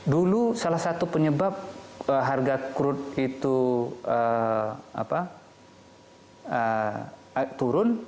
dulu salah satu penyebab harga crude itu turun